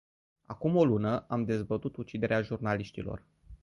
Acum o lună, am dezbătut uciderea jurnaliștilor.